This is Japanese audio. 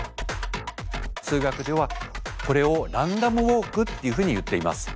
数学ではこれをランダムウォークっていうふうにいっています。